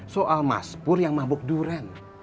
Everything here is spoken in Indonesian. soal mas pur yang mabuk durian